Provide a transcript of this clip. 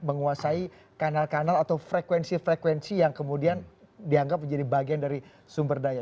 menguasai kanal kanal atau frekuensi frekuensi yang kemudian dianggap menjadi bagian dari sumber daya